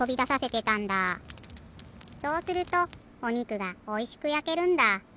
そうするとおにくがおいしくやけるんだ。